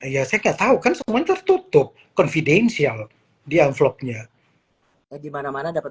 ya saya nggak tahu kan semuanya tertutup confidential dia vlognya dimana mana dapat